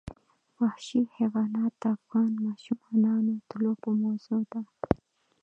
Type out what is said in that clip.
وحشي حیوانات د افغان ماشومانو د لوبو موضوع ده.